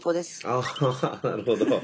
ああなるほど。